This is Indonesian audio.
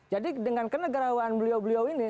jadi dengan kenegarawan beliau beliau ini